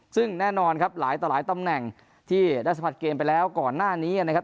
ซึ่งแน่นอนครับหลายต่อหลายตำแหน่งที่ได้สัมผัสเกมไปแล้วก่อนหน้านี้นะครับ